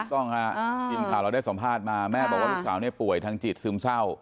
ต้องค่ะจริงค่ะเราได้สัมภาษณ์มาแม่บอกว่าลูกสาวนี้ป่วยทางจิตซึมเช่า